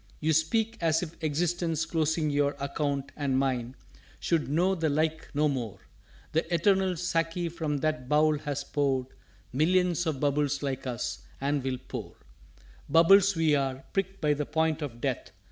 "_You speak as if Existence closing your Account, and mine, should know the like no more; The Eternal Sáki from that Bowl has poured Millions of bubbles like us, and will pour._" "Bubbles we are, pricked by the point of Death.